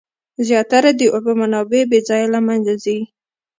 زیاتره د اوبو منابع بې ځایه له منځه ځي.